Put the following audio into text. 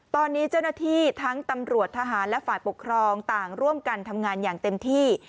ตอนนี้เจ้าหน้าที่ทั้งตำรวจทหารและฝ่ายปกครองต่างร่วมกันทำงานอย่างเต็มที่